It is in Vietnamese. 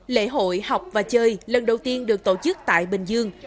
lễ hội học và chơi lần đầu tiên được tổ chức tại bình dương